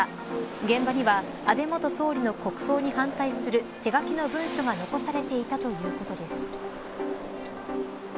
現場には安倍元総理の国葬に反対する手書きの文書が残されていたということです。